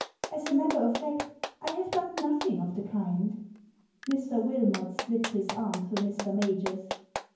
As a matter of fact, I have done nothing of the kind." Mr. Wilmot slipped his arm through Mr. Major's.